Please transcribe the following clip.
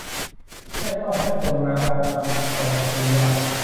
ไม่ต้องให้คนมาออกันต่อคิวยาว